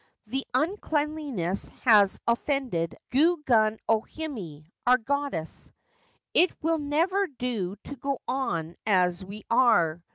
The unclean ness has offended Gu gun O Hime, our goddess. It will never do to go on as we are.